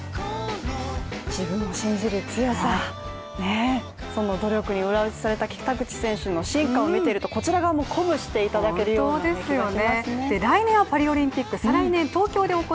自分を信じる強さ、その努力に裏打ちされた北口選手の進化を見ているとこちら側も鼓舞していただけるような気がしますね。